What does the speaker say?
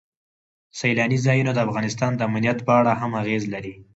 سیلانی ځایونه د افغانستان د امنیت په اړه هم اغېز لري.